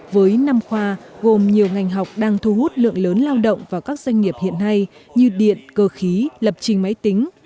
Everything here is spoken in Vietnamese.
với năm khoa gồm nhiều ngành học đang thu hút lượng lớn lao động vào các doanh nghiệp hiện nay như điện cơ khí lập trình máy tính